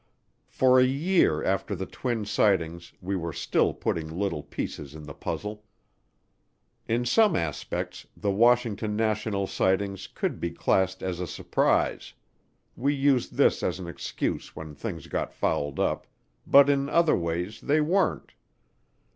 For a year after the twin sightings we were still putting little pieces in the puzzle. In some aspects the Washington National Sightings could be classed as a surprise we used this as an excuse when things got fouled up but in other ways they weren't.